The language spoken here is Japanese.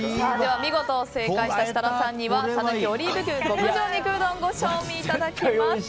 見事正解した設楽さんには讃岐オリーブ牛極上肉うどんをご賞味いただきます。